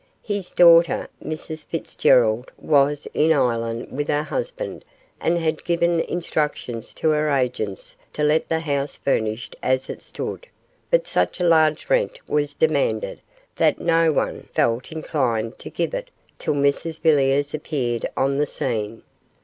His daughter, Mrs Fitzgerald, was in Ireland with her husband, and had given instructions to her agents to let the house furnished as it stood, but such a large rent was demanded, that no one felt inclined to give it till Mrs Villiers appeared on the scene.